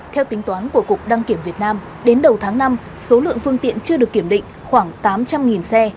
theo tính toán của cục đăng kiểm việt nam đến đầu tháng năm số lượng phương tiện chưa được kiểm định khoảng tám trăm linh xe